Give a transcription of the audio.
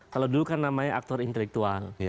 kalau dulu kan namanya aktor intelektual